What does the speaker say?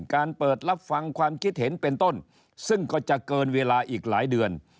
การเปิดรับฟังความคิดเห็นเป็นต้นซึ่งก็จะเกินเวลาอีกหลายเดือน